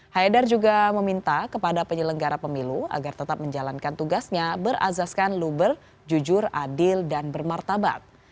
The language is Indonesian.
haidar juga meminta kepada penyelenggara pemilu agar tetap menjalankan tugasnya berazaskan luber jujur adil dan bermartabat